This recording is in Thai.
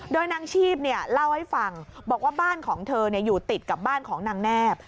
โดยนางชีพเล่าให้ฟังบอกว่าบ้านของเธออยู่ติดกับบ้านของนางแนบ